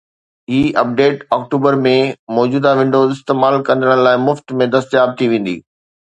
هي update October ۾ موجود Windows استعمال ڪندڙن لاءِ مفت ۾ دستياب ٿي ويندي